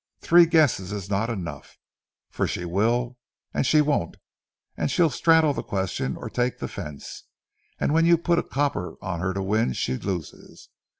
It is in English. Three guesses is not enough, for she will and she won't, and she'll straddle the question or take the fence, and when you put a copper on her to win, she loses.